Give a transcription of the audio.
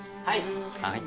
はい。